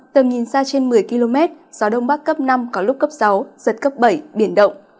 tầm nhìn xa trên một mươi km gió đông bắc cấp năm có lúc cấp sáu giật cấp bảy biển động